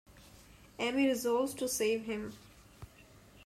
Amy resolves to save him.